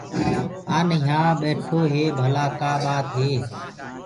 آن يهآ بيٺو هي ڀلآ ڪآ ٻآت هي۔